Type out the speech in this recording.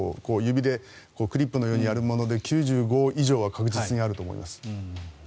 指でクリップのようにやるもので９５以上は確実にあると思います。